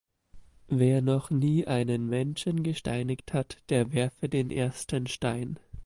Wer noch nie einen Menschen gesteinigt hat, der werfe den ersten Stein!